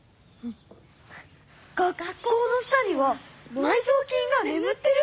学校の下には埋蔵金がねむってる！？